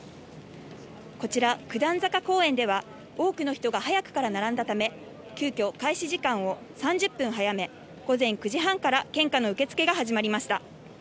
こちら九段坂公園では多くの人が早くから並んだため、急きょ開始時間を３０分早め、午前９時半から献花の受付が始まりました。